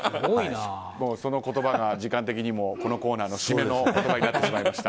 時間的にもこのコーナーの締めの言葉になってしまいました。